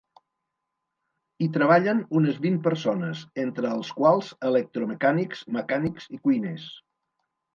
Hi treballen unes vint persones, entre els quals electromecànics, mecànics i cuiners.